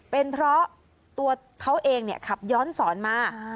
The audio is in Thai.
เป็นเพราะตัวเขาเองขับย้อนสอนมา